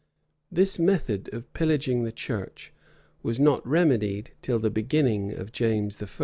[] This method of pillaging the church was not remedied till the beginning of James I.